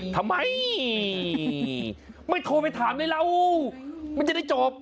ทำไมไม่โทรไปถามเลยเรามันจะได้จบ